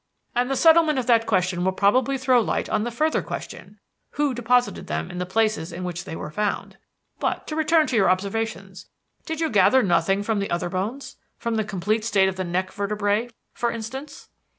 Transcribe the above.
And the settlement of that question will probably throw light on the further question: Who deposited them in the places in which they were found? But to return to your observations: did you gather nothing from the other bones? From the complete state of the neck vertebrae for instance?"